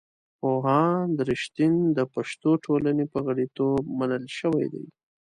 پوهاند رښتین د پښتو ټولنې په غړیتوب منل شوی دی.